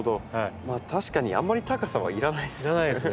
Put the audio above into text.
確かにあんまり高さは要らないですもんね。